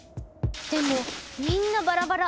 でもみんなバラバラ。